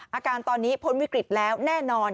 อาการตอนนี้พ้นวิกฤตแล้วแน่นอน